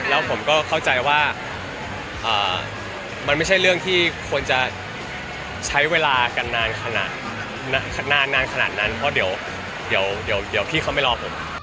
แล้วผมก็เข้าใจว่ามันไม่ใช่เรื่องที่ควรจะใช้เวลากันนานขนาดนานขนาดนั้นเพราะเดี๋ยวพี่เขาไม่รอผม